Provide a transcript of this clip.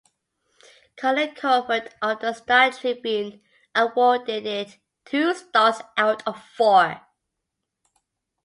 Colin Covert of the "Star Tribune" awarded it two stars out of four.